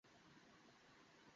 আর আসবি না এখানে।